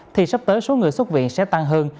thì sắp tới số người xuất viện sẽ tăng hơn